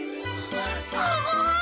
すごーい！